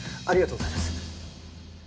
ありがとうございます。